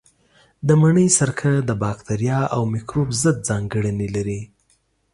د مڼې سرکه د باکتریا او مېکروب ضد ځانګړنې لري.